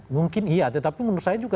mungkin iya tetapi menurut saya juga